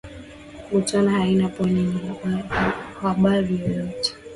Botswana haina pwani kwenye bahari yoyote